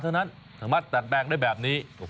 เท่านั้นสามารถตัดแปลงได้แบบนี้